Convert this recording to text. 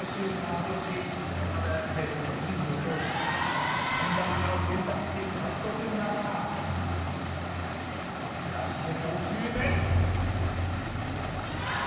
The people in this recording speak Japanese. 三好全てのリングを通し３台目の洗濯機獲得なるかラスト５球目頑張れ！